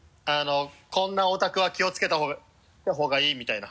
「こんなオタクは気をつけた方がいい」みたいな。